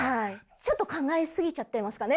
ちょっと考え過ぎちゃってますかね。